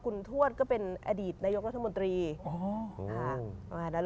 คุณทวดก็เป็นอดีตนรัฐบนบริษณะ